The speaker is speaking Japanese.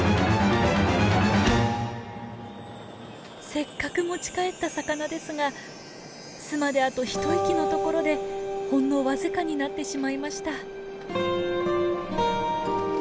せっかく持ち帰った魚ですが巣まであと一息のところでほんの僅かになってしまいました。